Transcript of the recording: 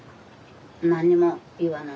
何も言わない。